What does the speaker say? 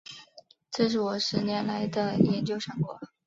这是我十年来的研究成果